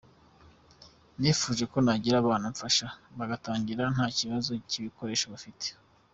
Nifuje ko nagira abana mfasha bagatangira nta kibazo cy’ibikoresho bafite.